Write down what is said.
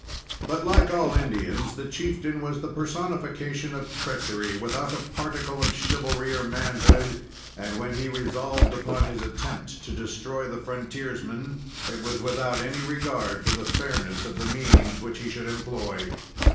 But, like all Indians, the chieftain was the personification of treachery, without a particle of chivalry or manhood, and when he resolved upon his attempt to destroy the frontiersman, it was without any regard for the fairness of the means which he should employ.